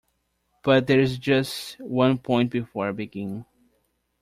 But there is just one point before I begin.